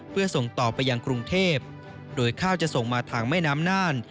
เพื่อส่งต่อไปยังกรุงเทพโดยข้าวจะส่งมาทางแม่น้ำน่าน